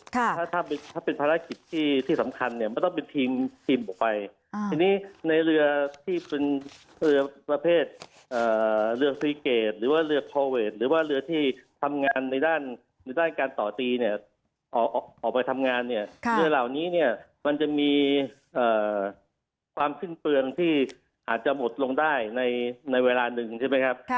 ถ้าถ้าเป็นภารกิจที่สำคัญเนี่ยมันต้องเป็นทีมทีมออกไปทีนี้ในเรือที่เป็นเรือประเภทเรือฟรีเกจหรือว่าเรือโคเวทหรือว่าเรือที่ทำงานในด้านหรือด้านการต่อตีเนี่ยออกไปทำงานเนี่ยเรือเหล่านี้เนี่ยมันจะมีความสิ้นเปลืองที่อาจจะหมดลงได้ในเวลาหนึ่งใช่ไหมครับ